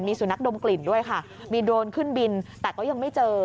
สุนัขดมกลิ่นด้วยค่ะมีโดรนขึ้นบินแต่ก็ยังไม่เจอ